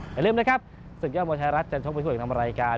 อย่าลืมนะครับศึกยอดมวยไทยรัฐจันทกว่าทุกอย่างทำอะไรกัน